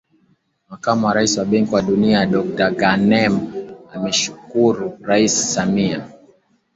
Makamu wa Rais wa Benki ya Dunia Dokta Ghanem amemshukuru Rais Samia